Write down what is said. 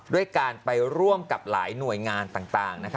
ด้วยการไปร่วมกับหลายหน่วยงานต่าง